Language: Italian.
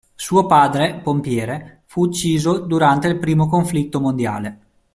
Suo padre, pompiere, fu ucciso durante il primo conflitto mondiale.